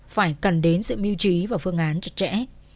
phải cần đến sự mưu trí và phương án trật trễ